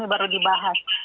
ini baru dibahas